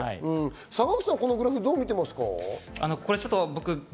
坂口さん、このグラフをどう見ますか？